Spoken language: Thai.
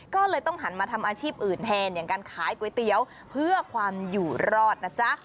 ก็เลยต้องหันมาทำอาชีพอื่นแทนอย่างการขายก๋วยเตี๋ยวเพื่อความอยู่รอดนะจ๊ะ